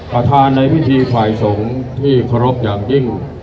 ประธานในพิธีฝ่ายสงฆ์ที่เคารพอย่างยิ่ง